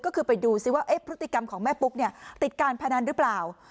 ก็คือไปดูซิว่าพฤติกรรมของแม่ปุ๊กเนี่ยติดการพนันหรือเปล่า